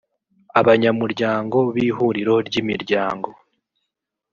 abanyamuryango b’ihuriro ry’imiryango